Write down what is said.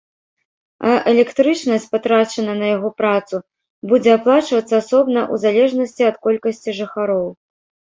А электрычнасць, патрачаная на яго працу, будзе аплачвацца асобна ў залежнасці ад колькасці жыхароў.